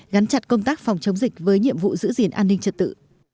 gắn chặt công tác phòng chống dịch với nhiệm vụ giữ gìn an ninh trật tự